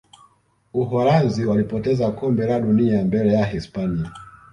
uholanzi walipoteza kombe la dunia mbele ya hispania